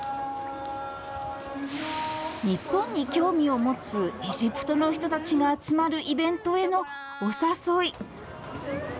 日本に興味を持つエジプトの人たちが集まるイベントへのお誘い。